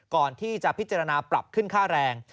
ก่อนที่จะพิจารณาปรับขึ้นค่าแรง